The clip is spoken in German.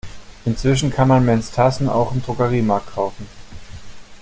Inzwischen kann man Menstassen auch im Drogeriemarkt kaufen.